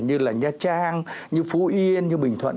như là nha trang như phú yên như bình thuận